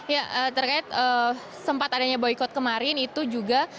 ya terkait sempat adanya boykot kemarin itu juga